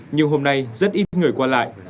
nhưng hôm nay rất ít người qua lại